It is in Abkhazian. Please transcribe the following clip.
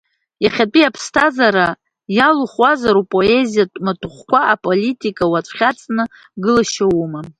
Иахьатәи аԥсҭазаара иалухуазар упоезиатә маҭәахәқәа, аполитика уацәхьаҵны гылашьа умам.